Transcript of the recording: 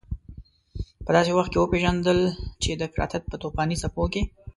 په داسې وخت کې وپېژندل چې د افراطيت په توپاني څپو کې.